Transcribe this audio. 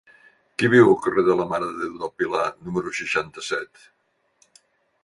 Qui viu al carrer de la Mare de Déu del Pilar número seixanta-set?